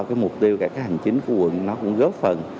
cái mục tiêu cả cái hành chính của quận nó cũng góp phần